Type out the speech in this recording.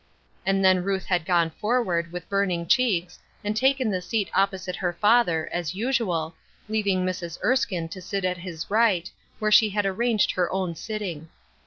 And then Ruth had gone forward, with burning cheeks, and taken the seat opposite her father, as usual, leaving Mrs. Erskine to sit at his right, where she had arranged her own sitting.